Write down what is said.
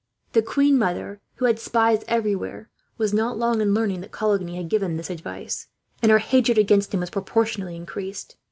The queen mother, who had spies everywhere, was not long in learning that Coligny had given this advice, and her hatred against him was proportionately increased.